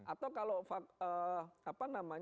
atau kalau fasilitas pendidikan